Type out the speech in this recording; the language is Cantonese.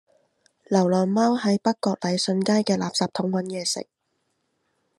流浪貓喺北角禮信街嘅垃圾桶搵野食